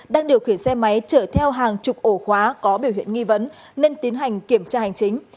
đang điều khiển xe máy chở theo hàng chục ổ khóa có biểu hiện nghi vấn nên tiến hành kiểm tra hành chính